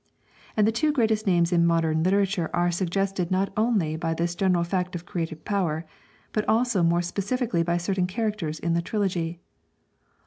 And the two greatest names in modern literature are suggested not only by this general fact of creative power, but also more specifically by certain characters in the trilogy.